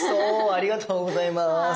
ありがとうございます。